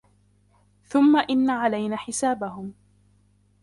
ثُمَّ إِنَّ عَلَيْنَا حِسَابَهُمْ